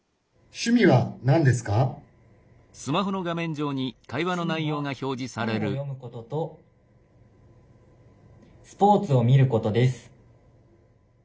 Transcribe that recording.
「趣味は本を読むこととスポーツを見ることです」。